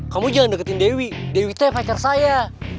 kamu jangan deketin dewi dewi tuh yang pacar saya